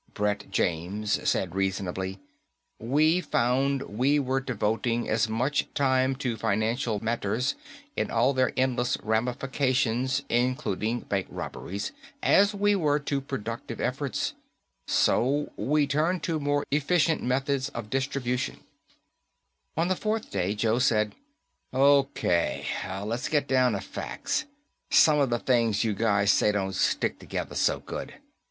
Brett James said reasonably, "We found we were devoting as much time to financial matters in all their endless ramifications including bank robberies as we were to productive efforts. So we turned to more efficient methods of distribution." On the fourth day, Joe said, "O.K., let's get down to facts. Summa the things you guys say don't stick together so good.